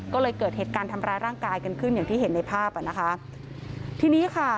ก็เลยเกิดเหตุการณ์ทำร้ายร่างกายกันขึ้นอย่างที่เห็นในภาพอ่ะนะคะทีนี้ค่ะ